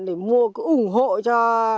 để mua cứ ủng hộ cho